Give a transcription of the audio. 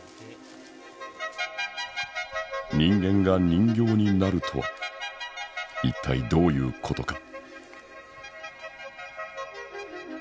人間が人形になるとは一体どういうことか？